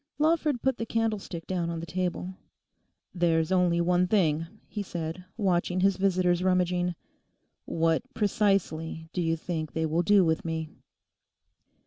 Lawford put the candlestick down on the table. 'There's only one thing,' he said, watching his visitor's rummaging; 'what precisely do you think they will do with me?